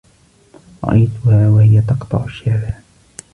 رأيتها وهي تقطع الشارع.